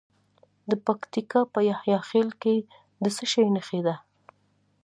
د پکتیکا په یحیی خیل کې د څه شي نښې دي؟